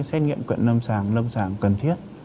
xét nghiệm cận lâm sàng lâm sàng cần thiết